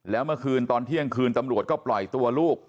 แล้วเมื่อคืนตอนเที่ยงคืนตำรวจก็ปล่อยตัวลูก